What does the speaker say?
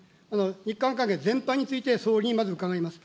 日韓関係全般について総理にまず伺います。